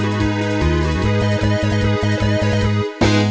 โอ้โหนิ้วถึงก็สายหัวเลยครับ